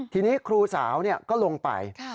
ทีนี้ครูสาวก็ลงไป